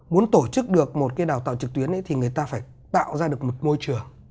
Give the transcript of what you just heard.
muốn tổ chức được một cái đào tạo trực tuyến thì người ta phải tạo ra được một môi trường